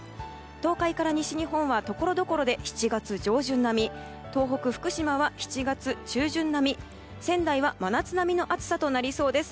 東海から西日本はところどころで７月上旬並み東北、福島は７月中旬並み仙台は真夏並みの暑さとなりそうです。